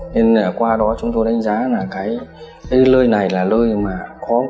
nên qua đó chúng tôi đánh giá là cái lơi này là lơi mà có mũ bảo hiểm